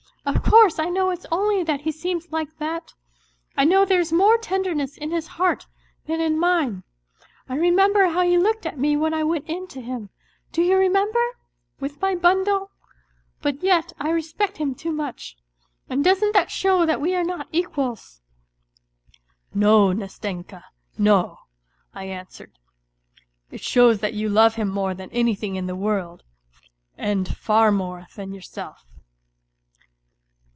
Of course I know it's only that he seems like that, I know there is more tenderness in his heart than in mine ... I remember how he looked at me when I went in to him do you remember ? with my bundle ; but yet I respect him too much, and doesn't that show that we are not equals ?"" No, Nastenka, no," I answered, " it shows that you love him more than anything in the world, and far more than yourself."